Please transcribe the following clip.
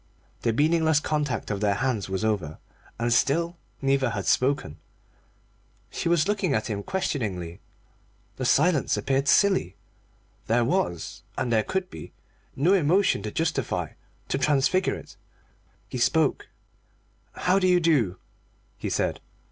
The meaningless contact of their hands was over, and still neither had spoken. She was looking at him questioningly. The silence appeared silly; there was, and there could be, no emotion to justify, to transfigure it. He spoke. "How do you do?" he said.